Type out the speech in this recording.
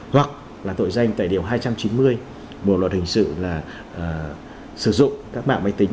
hoặc là tội danh tài điểm hai trăm chín mươi một luật hình sự là sử dụng các mạng máy tính